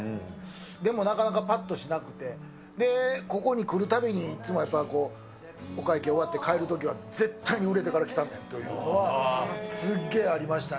でもなかなかぱっとしなくて、ここに来るたびにいつもやっぱ、お会計終わって帰るときは、絶対に売れてから来たんねんっていう、すっげえありましたね。